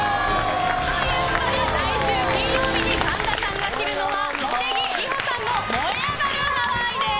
来週金曜日に神田さんが着るのは茂木里穂さんの燃えあがるハワイです。